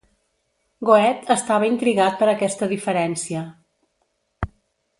Goethe estava intrigat per aquesta diferencia.